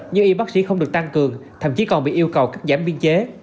như y bác sĩ không được tăng cường thậm chí còn bị yêu cầu cắt giảm biên chế